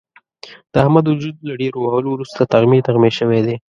د احمد وجود له ډېرو وهلو ورسته تغمې تغمې شوی دی.